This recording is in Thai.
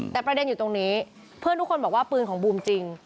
แต่ประเด็นอยู่ตรงนี้เพื่อนทุกคนบอกว่าปืนของบูมจริง